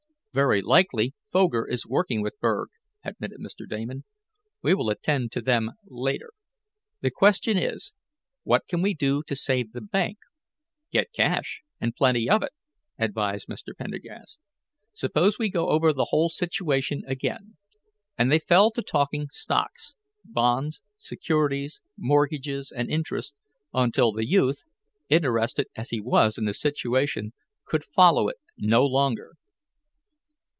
"Very likely Foger is working with Berg," admitted Mr. Damon. "We will attend to them later. The question is, what can we do to save the bank?" "Get cash, and plenty of it," advised Mr. Pendergast. "Suppose we go over the whole situation again?" and they fell to talking stocks: bonds, securities, mortgages and interest, until the youth, interested as he was in the situation, could follow it no longer.